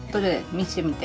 見してみて。